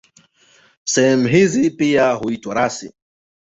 Sehemu hizi pia huitwa rasi.